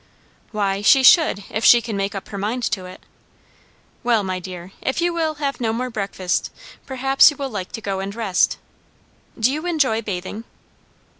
"Why, she should, if she can make up her mind to it. Well, my dear, if you will have no more breakfast, perhaps you will like to go and rest. Do you enjoy bathing?"